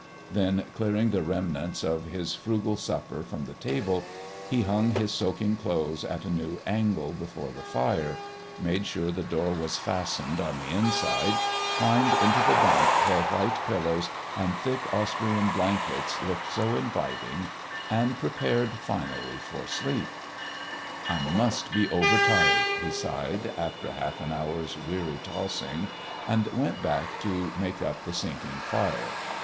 Then, clearing the remnants of his frugal supper from the table, he hung his soaking clothes at a new angle before the fire, made sure the door was fastened on the inside, climbed into the bunk where white pillows and thick Austrian blankets looked so inviting, and prepared finally for sleep. "I must be over tired," he sighed, after half an hour's weary tossing, and went back to make up the sinking fire.